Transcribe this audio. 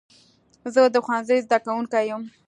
زه د ښوونځي زده کوونکی یم.